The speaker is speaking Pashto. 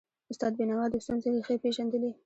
استاد بینوا د ستونزو ریښې پېژندلي.